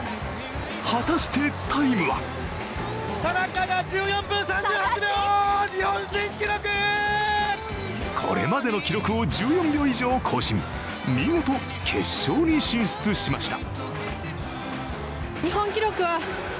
果たしてタイムはこれまでの記録を１４秒以上更新、見事、決勝に進出しました。